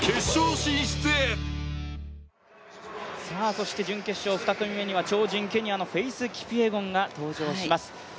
そして準決勝２組目には超人ケニアのフェイス・キピエゴンが登場します